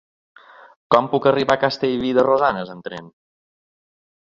Com puc arribar a Castellví de Rosanes amb tren?